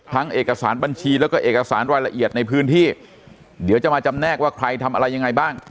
เอกสารบัญชีแล้วก็เอกสารรายละเอียดในพื้นที่เดี๋ยวจะมาจำแนกว่าใครทำอะไรยังไงบ้าง